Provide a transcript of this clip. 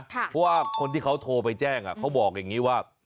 เพราะว่าคนที่เขาโทรไปแจ้งเขาบอกอย่างนี้ว่า